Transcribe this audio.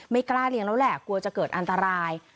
กล้าเลี้ยงแล้วแหละกลัวจะเกิดอันตราย